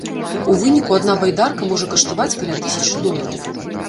У выніку адна байдарка можа каштаваць каля тысячы долараў.